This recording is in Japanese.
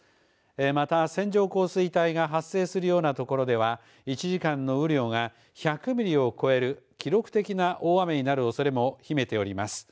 また、線状降水帯が発生するような所では１時間の雨量が１００ミリを超える記録的な大雨になるおそれもひめております。